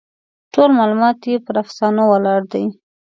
ټول معلومات یې پر افسانو ولاړ دي.